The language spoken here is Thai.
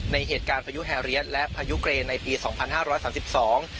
ในเหตุการณ์พายุแฮเรียสและพายุเกรนในปีสองพันห้าร้อยสามสิบสอง